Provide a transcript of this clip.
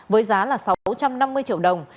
với giá là sáu trăm năm mươi triệu đồng